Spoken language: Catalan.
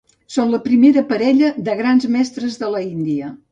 Són la primera parella de Grans Mestres de l'Índia.